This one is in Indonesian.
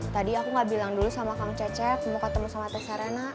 tadi aku gak bilang dulu sama kang cecep mau ketemu sama teh sarena